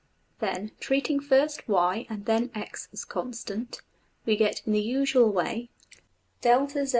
Then, treating first $y$ and then $x$ as constant, we get in the usual way \[ \left.